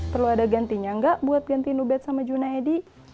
perlu ada gantinya nggak buat gantiin ubed sama junaedi